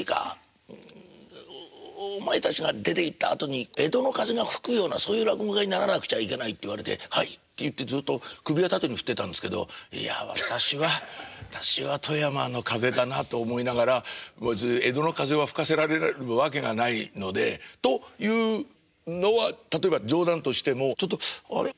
んお前たちが出ていったあとに江戸の風が吹くようなそういう落語家にならなくちゃいけない」って言われて「はい」って言ってずっと首は縦に振ってたんですけどいや私は私は富山の風だなと思いながら江戸の風は吹かせられるわけがないのでというのは例えば冗談としてもあれ？